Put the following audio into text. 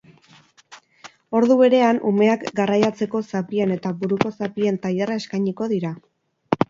Ordu berean, umeak garraiatzeko zapien eta buruko zapien tailerra eskainiko dira.